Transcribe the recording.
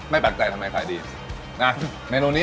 ไม่แปลกใจทำไมภายดี